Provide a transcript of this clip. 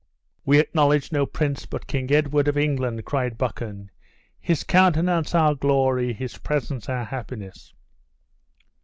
"We acknowledge no prince but King Edward of England!" cried Buchan. "His countenance our glory, his presence our happiness!"